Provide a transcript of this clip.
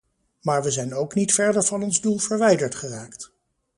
Maar we zijn ook niet verder van ons doel verwijderd geraakt.